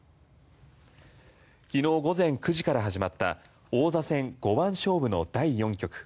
昨日午前９時から始まった王座戦五番勝負の第４局。